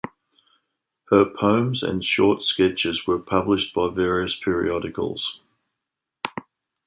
Her poems and short sketches were published by various periodicals.